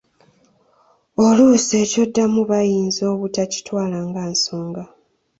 Oluusi eky'oddamu bayinza obutakitwala nga nsonga.